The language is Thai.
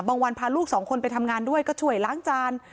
วันพาลูกสองคนไปทำงานด้วยก็ช่วยล้างจาน